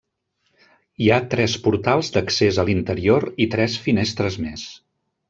Hi ha tres portals d'accés a l'interior i tres finestres més.